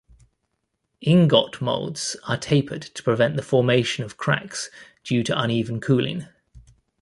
Ingot molds are tapered to prevent the formation of cracks due to uneven cooling.